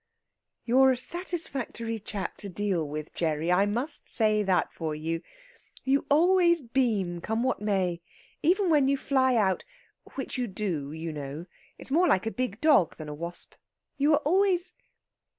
"You're a satisfactory chap to deal with, Gerry I must say that for you. You always beam, come what may. Even when you fly out which you do, you know it's more like a big dog than a wasp. You were always...."